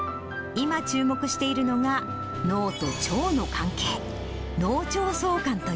今、注目しているのが脳と腸の関係。